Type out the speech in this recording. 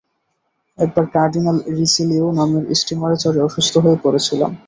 একবার Cardinal Richelieu নামের স্টিমারে চড়ে অসুস্থ হয়ে পড়েছিলাম।